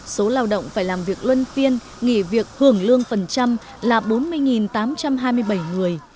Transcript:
số lao động phải làm việc luân phiên nghỉ việc hưởng lương phần trăm là bốn mươi tám trăm hai mươi bảy người